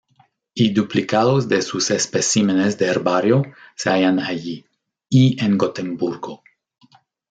Y duplicados de sus especímenes de herbario se hallan allí, y en Gotemburgo.